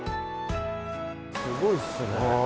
すごいっすね